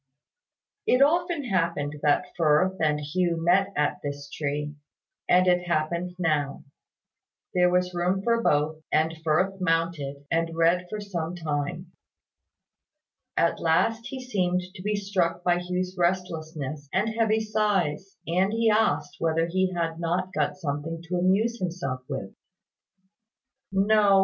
It often happened that Firth and Hugh met at this tree; and it happened now. There was room for both; and Firth mounted, and read for some time. At last he seemed to be struck by Hugh's restlessness and heavy sighs; and he asked whether he had not got something to amuse himself with. "No.